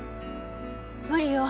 無理よ